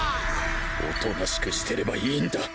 おとなしくしてればいいんだ。